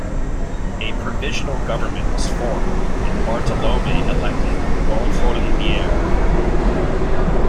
A provisional government was formed and Bartolommei elected "gonfaloniere".